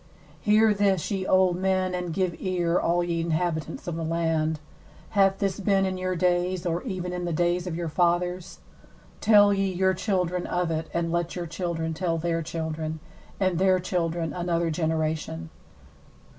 2Hear this, ye old men, and give ear, all ye inhabitants of the land. Hath this been in your days, or even in the days of your fathers? 3Tell ye your children of it, and let your children tell their children, and their children another generation.